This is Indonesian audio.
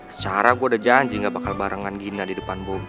secara gue udah janji gak bakal barengkan gina di depan bobby